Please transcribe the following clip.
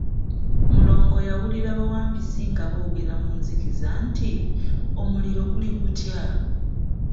Mulongo yawulira bawampisi nga boogera mu nzikiza nti, omuliro guli gutya?